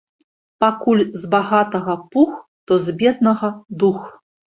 Пакуль з багатага пух, то з беднага дух.